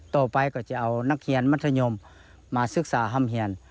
ต่อไปก็จะเอานักเรียนมัธยมมาศึกษาฮ่ำเฮียน